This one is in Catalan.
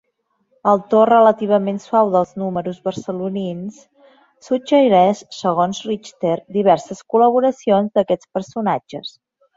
El to relativament suau dels números barcelonins suggereix, segons Richter, diverses col·laboracions d'aquests personatges.